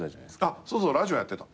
あっそうそうラジオやってた。